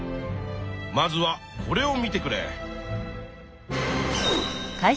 まずはこれを見てくれ。